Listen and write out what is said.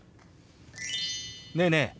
ねえねえ